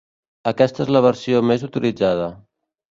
Aquesta és la versió més utilitzada.